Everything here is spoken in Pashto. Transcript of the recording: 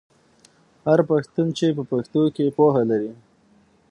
هر پښتون چې په پښتو کې پوهه لري.